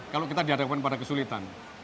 kalau kita dihadapkan pada kesulitan